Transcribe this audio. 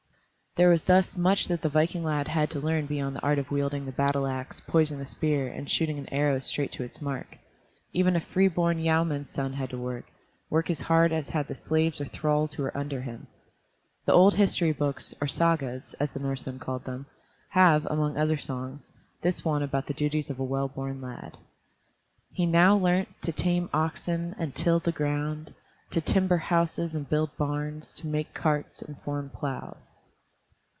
There was thus much that the viking lad had to learn beyond the art of wielding the battle axe, poising the spear, and shooting an arrow straight to its mark. Even a free born yeoman's son had to work, work as hard as had the slaves or thralls who were under him. The old history books, or Sagas, as the Norseman called them, have, among other songs, this one about the duties of a well born lad: "He now learnt To tame oxen And till the ground, To timber houses And build barns, To make carts And form plows."